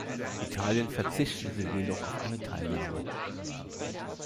Italien verzichtete jedoch auf eine Teilnahme.